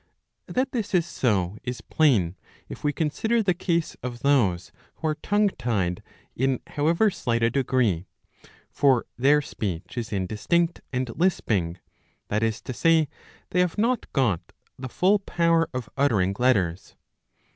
That this is so is plain, if we consider the case of those who are tongue tied in however slight a degree. For their speech is indistinct and lisping; that is to say they have not got the full power of uttering letters.